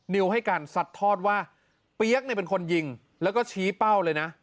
นิวให้การสัดทอดว่าเปี๊ยกเป็นคนยิงแล้วก็ชี้เป้าเลยนะ